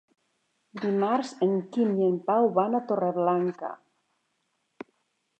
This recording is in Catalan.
Dimarts en Quim i en Pau van a Torreblanca.